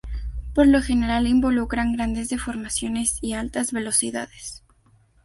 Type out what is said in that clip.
Por lo general, involucran grandes deformaciones y altas velocidades.